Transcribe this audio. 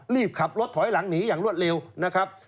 รีบขับรถถอยหลังหนีอย่างรวดเร็วนะครับ